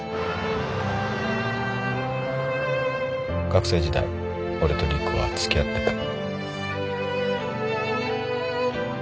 学生時代俺と陸はつきあってた。